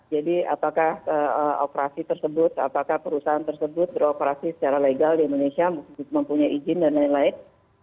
jadi apakah operasi tersebut apakah perusahaan tersebut beroperasi secara legal di indonesia mempunyai izin dan lain lain